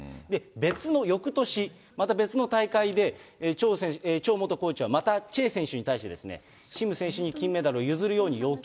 別のよくとし、また別の大会で、チョ元コーチはチェ選手に対して、シム選手に金メダルを譲るように要求。